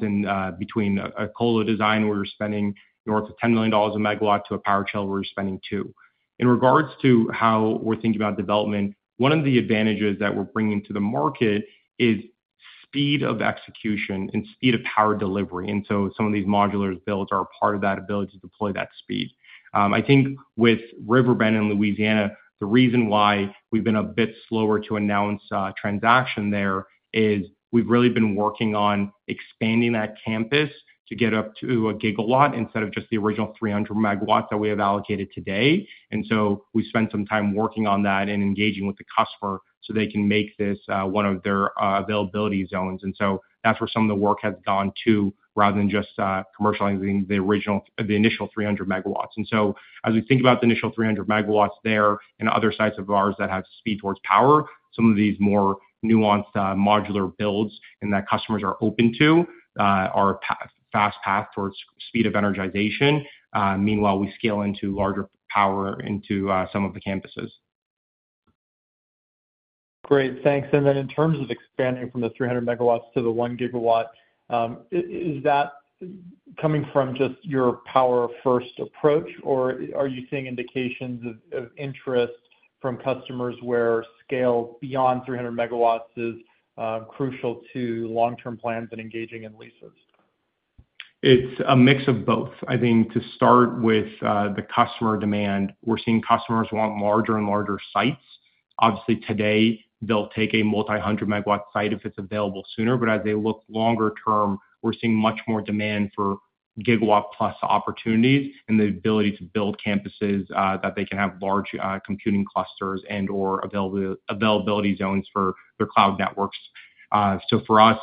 Speaker 3: between a colo design where you're spending north of $10 million a megawatt to a power shell where you're spending $2 million. In regards to how we're thinking about development, one of the advantages that we're bringing to the market is speed of execution and speed of power delivery. Some of these modular builds are a part of that ability to deploy that speed. I think with River Bend and Louisiana, the reason why we've been a bit slower to announce a transaction there is we've really been working on expanding that campus to get up to a gigawatt instead of just the original 300 MW that we have allocated today. We spent some time working on that and engaging with the customer so they can make this one of their availability zones. That's where some of the work has gone to rather than just commercializing the initial 300 MW. As we think about the initial 300 MW there and other sites of ours that have speed towards power, some of these more nuanced modular builds that customers are open to are a fast path towards speed of energization. Meanwhile, we scale into larger power into some of the campuses.
Speaker 10: Great, thanks. In terms of expanding from the 300 MW to the 1 GW, is that coming from just your power-first approach, or are you seeing indications of interest from customers where scale beyond 300 MW is crucial to long-term plans and engaging in leases?
Speaker 3: It's a mix of both. I think to start with the customer demand, we're seeing customers want larger and larger sites. Obviously today, they'll take a multi-hundred megawatt site if it's available sooner. As they look longer term, we're seeing much more demand for gigawatt-plus opportunities and the ability to build campuses that they can have large computing clusters and/or availability zones for their cloud networks. For us,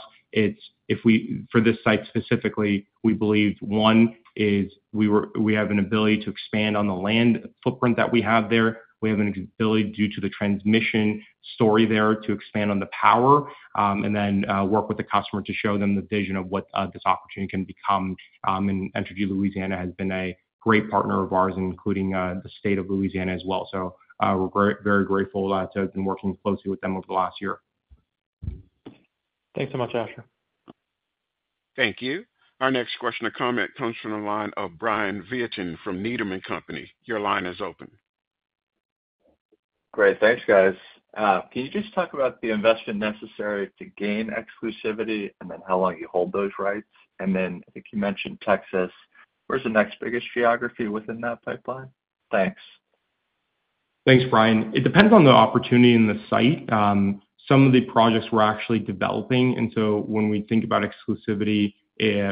Speaker 3: for this site specifically, we believe one is we have an ability to expand on the land footprint that we have there. We have an ability due to the transmission story there to expand on the power and then work with the customer to show them the vision of what this opportunity can become. Entergy Louisiana has been a great partner of ours, including the state of Louisiana as well. We're very grateful to have been working closely with them over the last year.
Speaker 10: Thanks so much, Asher.
Speaker 1: Thank you. Our next question or comment comes from the line of Brian Vietjen from Needham & Company. Your line is open.
Speaker 11: Great, thanks guys. Can you just talk about the investment necessary to gain exclusivity, and then how long you hold those rights? I think you mentioned Texas. Where's the next biggest geography within that pipeline? Thanks.
Speaker 3: Thanks, Brian. It depends on the opportunity in the site. Some of the projects we're actually developing. When we think about exclusivity,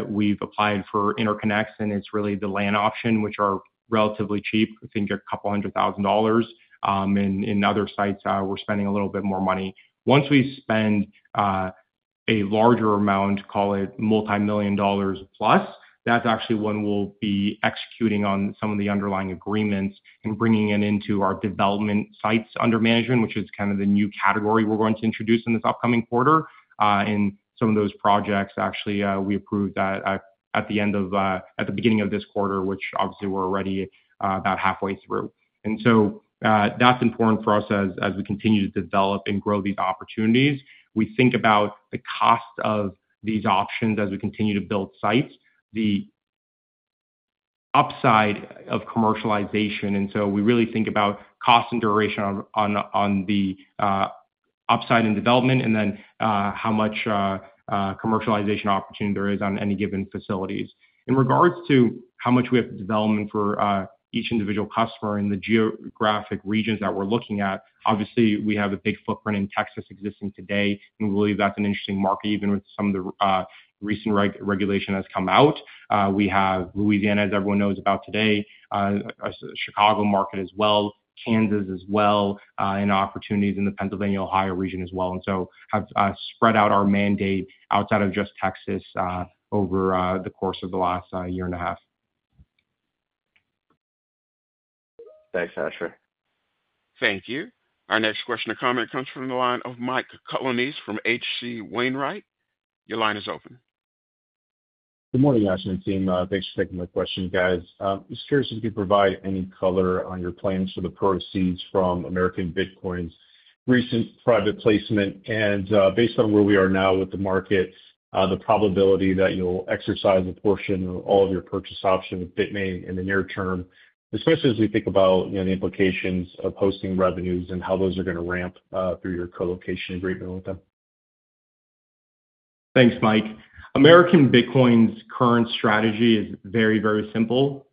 Speaker 3: we've applied for interconnects, and it's really the land option, which are relatively cheap. I think a couple hundred thousand dollars. In other sites, we're spending a little bit more money. Once we spend a larger amount, call it multi-million dollars plus, that's actually when we'll be executing on some of the underlying agreements and bringing it into our development sites under management, which is kind of the new category we're going to introduce in this upcoming quarter. Some of those projects actually we approved at the beginning of this quarter, which obviously we're already about halfway through. That's important for us as we continue to develop and grow these opportunities. We think about the cost of these options as we continue to build sites, the upside of commercialization. We really think about cost and duration on the upside in development and then how much commercialization opportunity there is on any given facilities. In regards to how much we have development for each individual customer in the geographic regions that we're looking at, obviously we have a big footprint in Texas existing today. We believe that's an interesting market, even with some of the recent regulation that's come out. We have Louisiana, as everyone knows about today, a Chicago market as well, Kansas as well, and opportunities in the Pennsylvania-Ohio region as well. We have spread out our mandate outside of just Texas over the course of the last year and a half.
Speaker 11: Thanks, Asher.
Speaker 1: Thank you. Our next question or comment comes from the line of Mike Colonnese from H.C. Wainwright. Your line is open.
Speaker 12: Good morning, Asher and team. Thanks for taking my question, guys. I'm just curious if you could provide any color on your plans for the proceeds from American Bitcoin's recent private placement. Based on where we are now with the market, the probability that you'll exercise a portion or all of your purchase option with BITMAIN in the near term, especially as we think about the implications of hosting revenues and how those are going to ramp through your colocation agreement with them.
Speaker 3: Thanks, Mike. American Bitcoin's current strategy is very, very simple.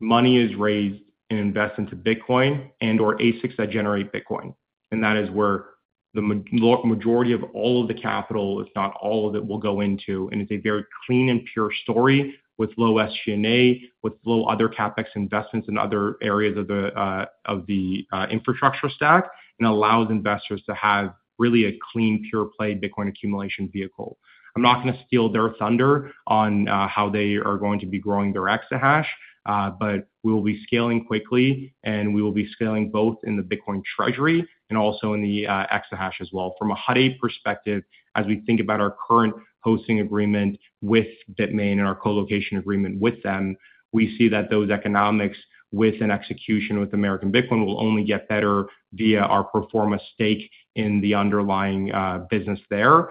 Speaker 3: Money is raised and invested into Bitcoin and/or ASICs that generate Bitcoin. That is where the majority of all of the capital, if not all of it, will go into. It is a very clean and pure story with low SG&A, with low other CapEx investments in other areas of the infrastructure stack, and allows investors to have really a clean, pure play Bitcoin accumulation vehicle. I'm not going to steal their thunder on how they are going to be growing their exahash, but we will be scaling quickly and we will be scaling both in the Bitcoin treasury and also in the exahash as well. From a Hut 8 perspective, as we think about our current hosting agreement with BITMAIN and our colocation agreement with them, we see that those economics with an execution with American Bitcoin will only get better via our performance stake in the underlying business there.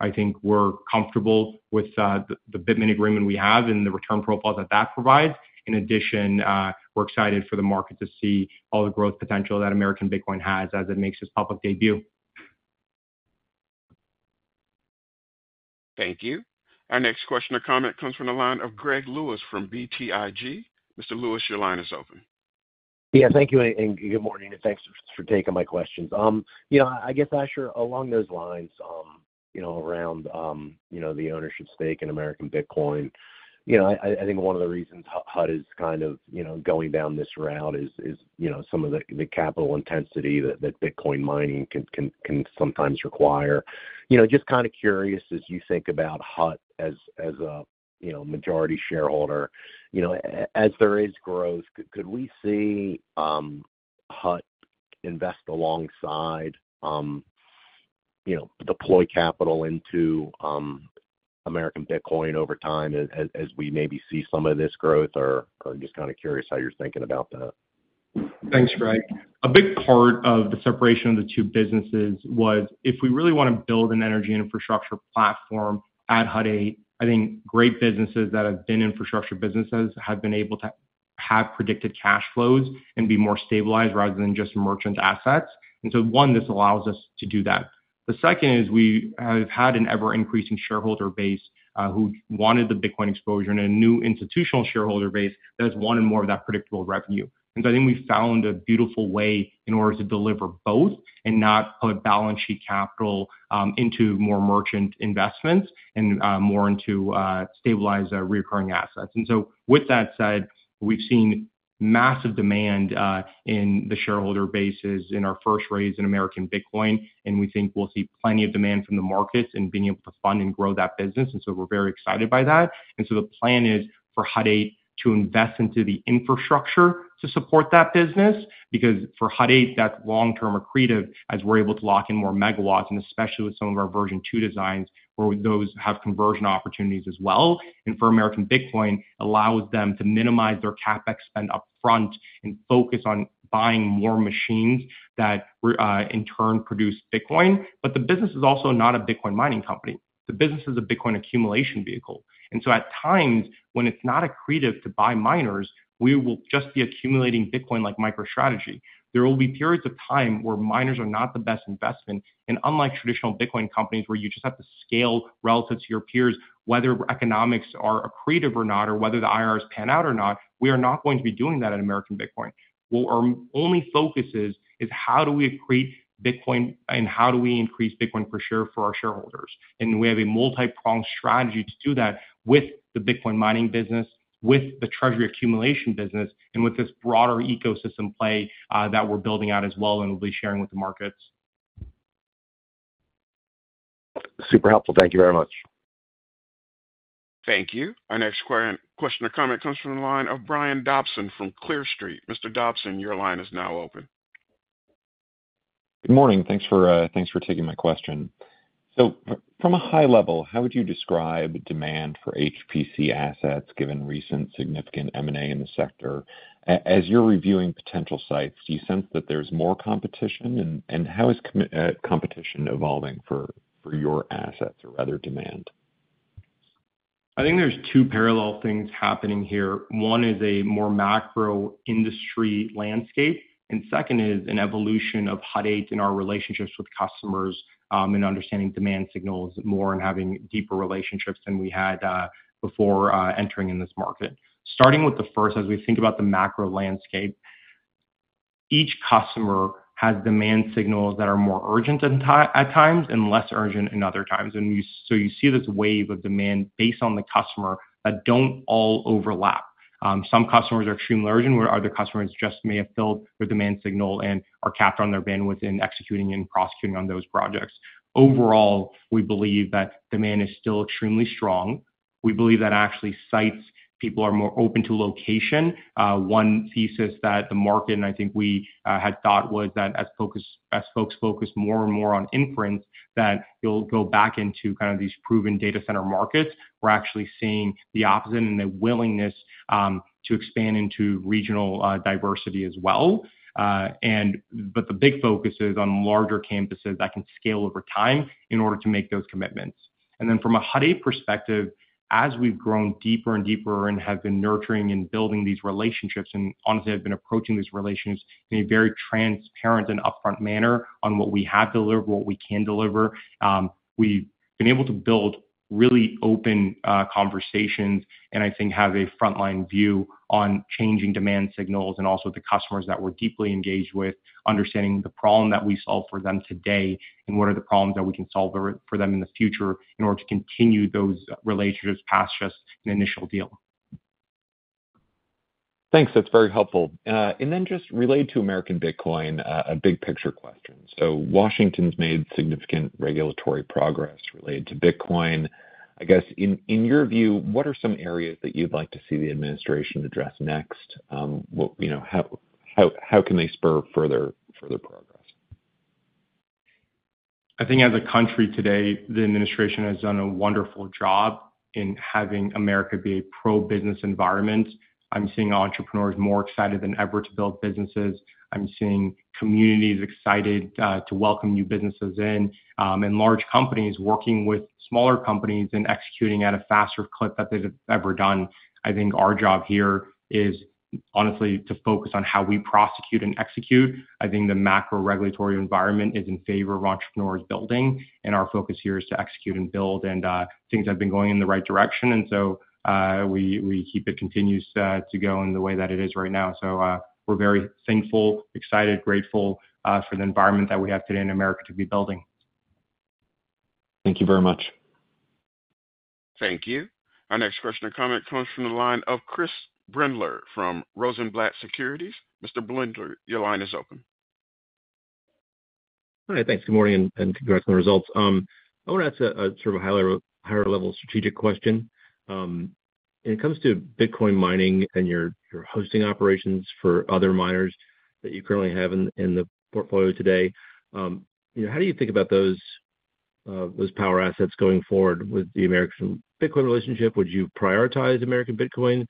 Speaker 3: I think we're comfortable with the BITMAIN agreement we have and the return profiles that that provides. In addition, we're excited for the market to see all the growth potential that American Bitcoin has as it makes its public debut.
Speaker 1: Thank you. Our next question or comment comes from the line of Greg Lewis from BTIG. Mr. Lewis, your line is open.
Speaker 13: Thank you and good morning and thanks for taking my question. I guess, Asher, along those lines, around the ownership stake in American Bitcoin, I think one of the reasons Hut 8 is kind of going down this route is some of the capital intensity that Bitcoin mining can sometimes require. Just kind of curious as you think about Hut 8 as a majority shareholder, as there is growth, could we see Hut 8 invest alongside, deploy capital into American Bitcoin over time as we maybe see some of this growth or I'm just kind of curious how you're thinking about that.
Speaker 3: Thanks, Greg. A big part of the separation of the two businesses was if we really want to build an energy and infrastructure platform at Hut 8, I think great businesses that have been infrastructure businesses have been able to have predicted cash flows and be more stabilized rather than just merchant assets. This allows us to do that. The second is we have had an ever-increasing shareholder base who wanted the Bitcoin exposure and a new institutional shareholder base that has wanted more of that predictable revenue. I think we found a beautiful way in order to deliver both and not put balance sheet capital into more merchant investments and more into stabilized recurring assets. With that said, we've seen massive demand in the shareholder bases in our first raise in American Bitcoin, and we think we'll see plenty of demand from the markets in being able to fund and grow that business. We're very excited by that. The plan is for Hut 8 to invest into the infrastructure to support that business because for Hut 8, that's long-term accretive as we're able to lock in more megawatts and especially with some of our version two designs where those have conversion opportunities as well. For American Bitcoin, it allows them to minimize their CapEx spend upfront and focus on buying more machines that in turn produce Bitcoin. The business is also not a Bitcoin mining company. The business is a Bitcoin accumulation vehicle. At times when it's not accretive to buy miners, we will just be accumulating Bitcoin like MicroStrategy. There will be periods of time where miners are not the best investment. Unlike traditional Bitcoin companies where you just have to scale relative to your peers, whether economics are accretive or not, or whether the IRRs pan out or not, we are not going to be doing that at American Bitcoin. Our only focus is how do we accrete Bitcoin and how do we increase Bitcoin for sure for our shareholders. We have a multi-pronged strategy to do that with the Bitcoin mining business, with the treasury accumulation business, and with this broader ecosystem play that we're building out as well and will be sharing with the markets.
Speaker 13: Super helpful. Thank you very much.
Speaker 1: Thank you. Our next question or comment comes from the line of Brian Dobson from Clear Street. Mr. Dobson, your line is now open.
Speaker 14: Good morning. Thanks for taking my question. From a high level, how would you describe demand for High Performance Computing assets given recent significant M&A in the sector? As you're reviewing potential sites, do you sense that there's more competition, and how is competition evolving for your assets or rather demand?
Speaker 3: I think there's two parallel things happening here. One is a more macro industry landscape, and second is an evolution of Hut 8 in our relationships with customers and understanding demand signals more and having deeper relationships than we had before entering in this market. Starting with the first, as we think about the macro landscape, each customer has demand signals that are more urgent at times and less urgent in other times. You see this wave of demand based on the customer that don't all overlap. Some customers are extremely urgent where other customers just may have filled their demand signal and are capped on their bandwidth in executing and prosecuting on those projects. Overall, we believe that demand is still extremely strong. We believe that actually sites, people are more open to location. One thesis that the market, and I think we had thought, was that as folks focus more and more on imprint, that you'll go back into kind of these proven data center markets. We're actually seeing the opposite and the willingness to expand into regional diversity as well. The big focus is on larger campuses that can scale over time in order to make those commitments. From a Hut 8 perspective, as we've grown deeper and deeper and have been nurturing and building these relationships, and honestly, I've been approaching these relations in a very transparent and upfront manner on what we have delivered, what we can deliver. We've been able to build really open conversations and I think have a frontline view on changing demand signals and also the customers that we're deeply engaged with, understanding the problem that we solve for them today and what are the problems that we can solve for them in the future in order to continue those relationships past just an initial deal.
Speaker 14: Thanks. That's very helpful. Just related to American Bitcoin, a big picture question. Washington's made significant regulatory progress related to Bitcoin. I guess in your view, what are some areas that you'd like to see the administration address next? How can they spur further progress?
Speaker 3: I think as a country today, the administration has done a wonderful job in having America be a pro-business environment. I'm seeing entrepreneurs more excited than ever to build businesses. I'm seeing communities excited to welcome new businesses in, and large companies working with smaller companies and executing at a faster clip than they've ever done. I think our job here is honestly to focus on how we prosecute and execute. I think the macro regulatory environment is in favor of entrepreneurs building, and our focus here is to execute and build. Things have been going in the right direction, and we keep it continuous to go in the way that it is right now. We're very thankful, excited, grateful for the environment that we have today in America to be building.
Speaker 14: Thank you very much.
Speaker 1: Thank you. Our next question or comment comes from the line of Chris Brendler from Rosenblatt Securities. Mr. Brendler, your line is open.
Speaker 15: Hi, thanks. Good morning and congrats on the results. I want to ask a sort of a higher level strategic question. When it comes to Bitcoin mining and your hosting operations for other miners that you currently have in the portfolio today, how do you think about those power assets going forward with the American Bitcoin relationship? Would you prioritize American Bitcoin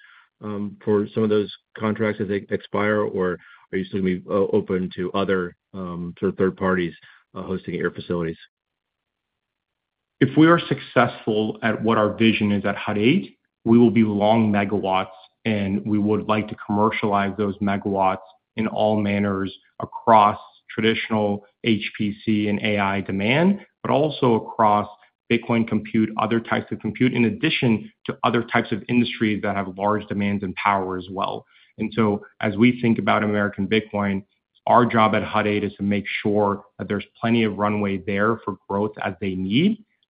Speaker 15: for some of those contracts as they expire, or are you still going to be open to other sort of third parties hosting at your facilities?
Speaker 3: If we are successful at what our vision is at Hut 8, we will be long megawatts, and we would like to commercialize those megawatts in all manners across traditional High Performance Computing and AI demand, but also across Bitcoin compute, other types of compute, in addition to other types of industries that have large demands and power as well. As we think about American Bitcoin, our job at Hut 8 is to make sure that there's plenty of runway there for growth as they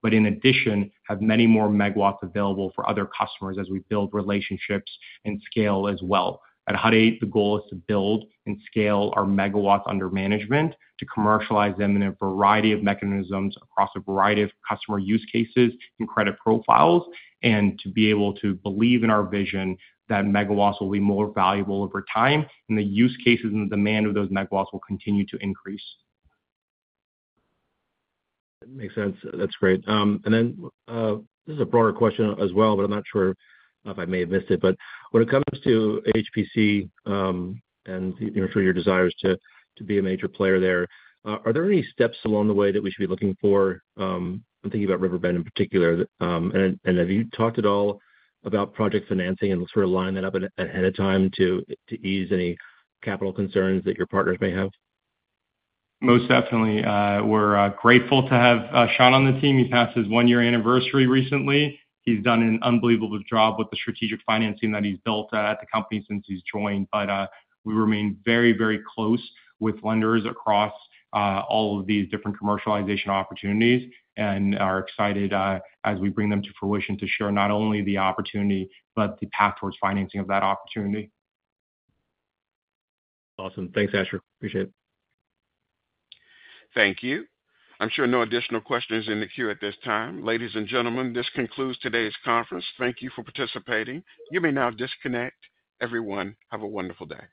Speaker 3: need, but in addition, have many more megawatts available for other customers as we build relationships and scale as well. At Hut 8, the goal is to build and scale our megawatts under management to commercialize them in a variety of mechanisms across a variety of customer use cases and credit profiles, and to be able to believe in our vision that megawatts will be more valuable over time, and the use cases and the demand of those megawatts will continue to increase.
Speaker 15: That makes sense. That's great. This is a broader question as well, but I'm not sure if I may have missed it. When it comes to High Performance Computing and your desires to be a major player there, are there any steps along the way that we should be looking for? I'm thinking about River Bend in particular. Have you talked at all about project financing and sort of lining that up ahead of time to ease any capital concerns that your partners may have?
Speaker 3: Most definitely. We're grateful to have Sean on the team. He passed his one-year anniversary recently. He's done an unbelievable job with the strategic financing that he's built at the company since he's joined. We remain very, very close with lenders across all of these different commercialization opportunities and are excited as we bring them to fruition to share not only the opportunity, but the path towards financing of that opportunity.
Speaker 15: Awesome. Thanks, Asher. Appreciate it.
Speaker 1: Thank you. I'm sure no additional questions in the queue at this time. Ladies and gentlemen, this concludes today's conference. Thank you for participating. You may now disconnect. Everyone, have a wonderful day.